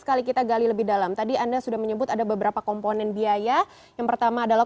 ketika itu presiden marah